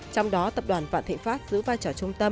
trong đó tập đoàn vạn thịnh pháp giữ vai trò trung tâm